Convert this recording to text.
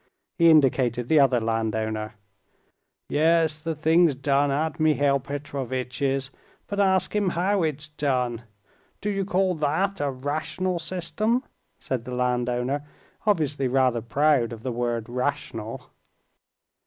He indicated the other landowner. "Yes, the thing's done at Mihail Petrovitch's, but ask him how it's done. Do you call that a rational system?" said the landowner, obviously rather proud of the word "rational."